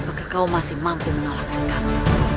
apakah kau masih mampu menolakkan kami